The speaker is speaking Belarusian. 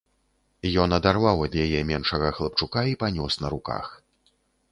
Ён адарваў ад яе меншага хлапчука і панёс на руках.